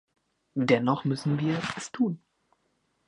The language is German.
Dennoch müssen wir es tun.